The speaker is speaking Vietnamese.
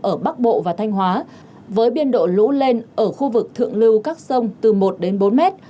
ở bắc bộ và thanh hóa với biên độ lũ lên ở khu vực thượng lưu các sông từ một đến bốn mét